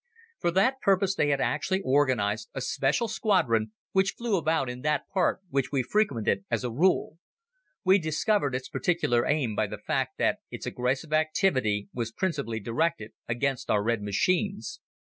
For that purpose they had actually organized a special squadron which flew about in that part which we frequented as a rule. We discovered its particular aim by the fact that its aggressive activity was principally directed against our red machines.